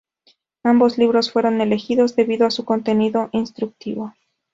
Ambos libros fueron elegidos debido a su contenido instructivo.